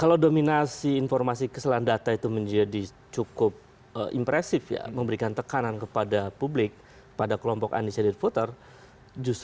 kalau dominasi informasi kesalahan data itu menjadi cukup impresif ya memberikan tekanan kepada publik pada kelompok andi sedir puter justru prabowo mendapatkan insentif disitu